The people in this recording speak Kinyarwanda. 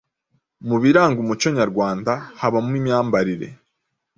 Mu biranga umuco nyarwanda habamo n’imyambarire.